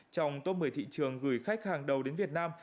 trong top một mươi thị trường gửi khách hàng đầu đến việt nam